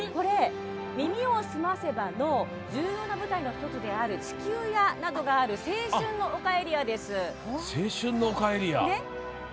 「耳をすませば」の重要な舞台の１つである地球屋などがある青春の丘エリアです。